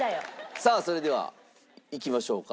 さあそれではいきましょうか。